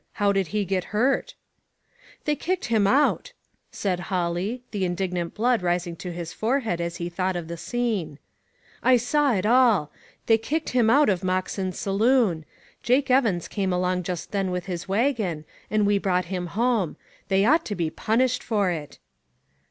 How did he get hurt?" "They kicked him out," said Holly, the indignant blood rising to his forehead as he thought of the scene. "I saw it all. They kicked him out of Moxen's saloon. Jake Evans came along just then with his wagon, and we brought him home. They ought to be punished for it."